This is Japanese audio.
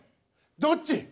どっち？